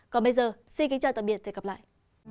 còn bây giờ xin kính chào tạm biệt và hẹn gặp lại